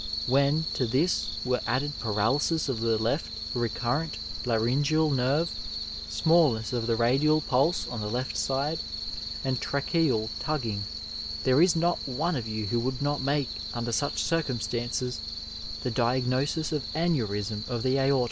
When to this were added paralysis of the left recurrent laryngeal nerve, smallness of the radial pulse on the left side, and tracheal tugging, there is not one of you who would not make, under such circumstances, the diagnosis of aneurism of the aorta.